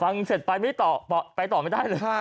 ฟังเสร็จไปไม่ต่อไปต่อไม่ได้เลย